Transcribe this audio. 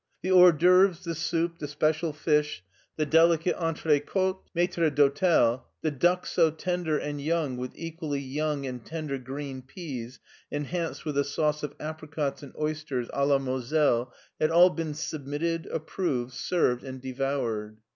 The hors^' ceuvres the soup, the special fish, the delicate entrecote maitre d'hotel, the duck so tender and young with equally young and tender green peas enhanced with a sauce of apricots and oysters it la moselle had all been submitted, approved, served, and devoured.